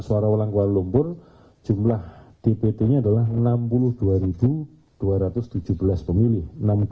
suara ulang kuala lumpur jumlah dpt nya adalah enam puluh dua dua ratus tujuh belas pemilih